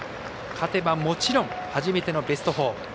勝てばもちろん初めてのベスト４。